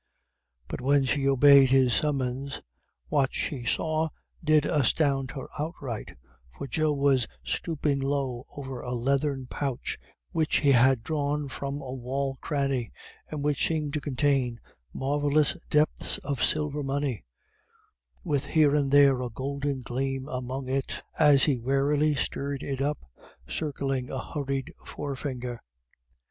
But when she obeyed his summons, what she saw did astound her outright, for Joe was stooping low over a leathern pouch which he had drawn from a wall cranny, and which seemed to contain marvellous depths of silver money, with here and there a golden gleam among it, as he warily stirred it up, circling a hurried forefinger.